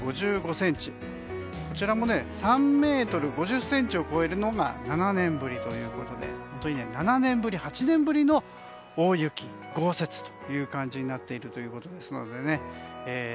こちらも３ｍ５０ｃｍを超えるのが７年ぶりということで本当に７年ぶり、８年ぶりの大雪豪雪という感じになっているということですのでね。